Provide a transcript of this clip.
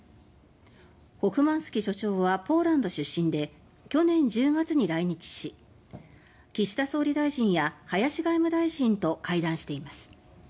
ホフマンスキ所長はポーランド出身で去年１０月に来日し岸田総理大臣や林外務大臣と会談しています。